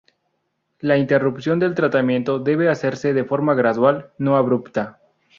La interrupción del tratamiento debe hacerse de forma gradual, no abrupta.